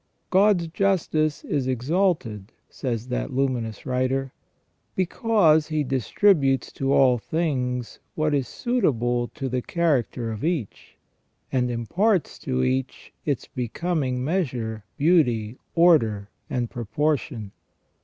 "God's justice is exalted," says that luminous writer, " because He distributes to all things what is suitable to the character of each, and imparts to each its becoming measure, beauty, order, and proportion.